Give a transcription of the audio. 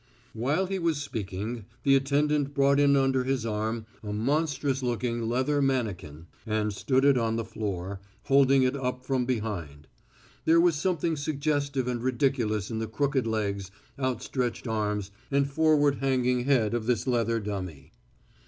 Whilst he was speaking, the attendant brought in under his arm a monstrous looking leathern mannikin, and stood it on the floor, holding it up from behind. There was something suggestive and ridiculous in the crooked legs, outstretched arms, and forward hanging head of this leathern dummy.